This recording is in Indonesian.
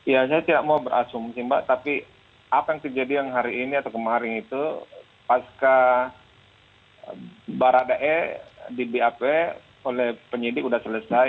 ya saya tidak mau berasumsi mbak tapi apa yang terjadi yang hari ini atau kemarin itu pasca baradae di bap oleh penyidik sudah selesai